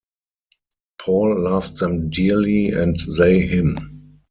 Paul loved them dearly, and they him.